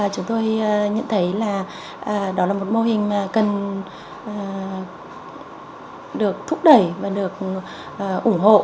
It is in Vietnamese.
chúng tôi nhận thấy là đó là một mô hình mà cần được thúc đẩy và được ủng hộ